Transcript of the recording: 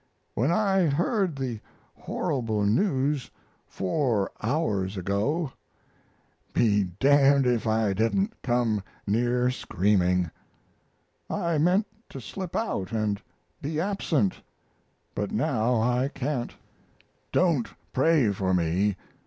When I heard the horrible news 4 hours ago, be d d if I didn't come near screaming. I meant to slip out and be absent, but now I can't. Don't pray for me.